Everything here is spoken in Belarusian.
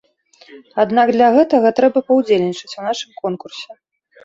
Аднак для гэтага трэба паўдзельнічаць у нашым конкурсе.